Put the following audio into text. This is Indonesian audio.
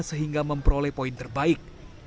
sehingga memperoleh poin terbaik